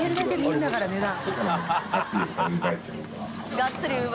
がっつり